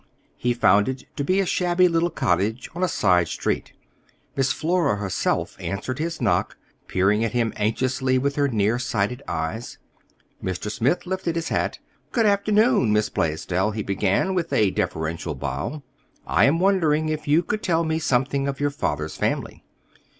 He found it to be a shabby little cottage on a side street. Miss Flora herself answered his knock, peering at him anxiously with her near sighted eyes. Mr. Smith lifted his hat. "Good afternoon, Miss Blaisdell," he began with a deferential bow. "I am wondering if you could tell me something of your father's family."